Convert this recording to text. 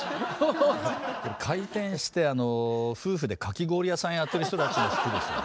開店してあの夫婦でかき氷屋さんやってる人たちの服ですよ。